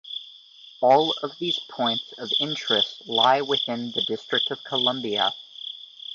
All of these points of interest lie within the District of Columbia.